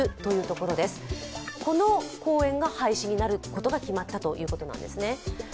この公園が廃止になることが決まったということなんですね。